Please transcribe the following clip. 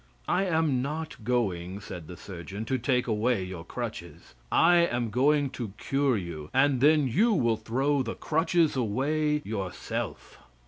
"I am not going," said the surgeon, "to take away your crutches. I am going to cure you, and then you will throw the crutches away yourself."